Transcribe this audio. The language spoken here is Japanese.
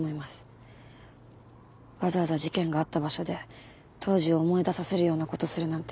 わざわざ事件があった場所で当時を思い出させるようなことするなんて